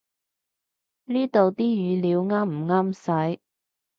呢度啲語料啱唔啱使